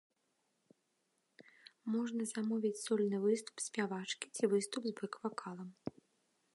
Можна замовіць сольны выступ спявачкі ці выступ з бэк-вакалам.